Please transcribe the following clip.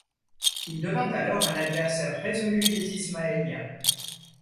Il devint alors un adversaire résolu des ismaéliens.